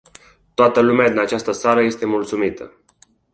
Toată lumea din această sală este mulțumită.